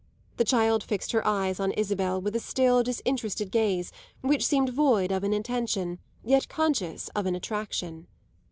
The child fixed her eyes on Isabel with a still, disinterested gaze which seemed void of an intention, yet conscious of an attraction.